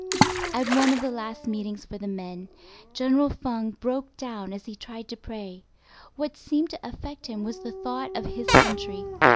At one of the last meetings for the men, General Feng broke down as he tried to pray. What seemed to affect him was the thought of his country.